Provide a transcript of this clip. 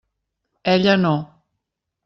Ella no.